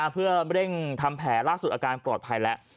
เพื่อเร่งทำแผลล่าสุดอาการปลอดภัยแล้ว